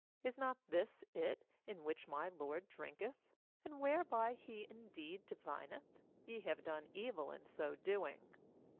6Is not this it in which my lord drinketh, and whereby he indeed divineth? ye have done evil in so doing.'